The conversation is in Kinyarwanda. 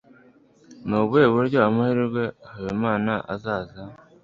ni ubuhe buryo amahirwe habimana azaza